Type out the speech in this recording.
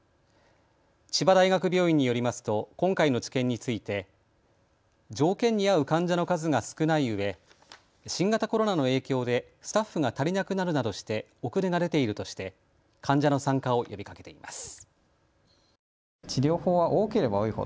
千葉大学病院によりますと今回の治験について条件に合う患者の数が少ないうえ新型コロナの影響でスタッフが足りなくなるなどして遅れが出ているとして患者の参加を呼びかけています。